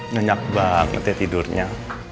nenyak banget ya tidurnya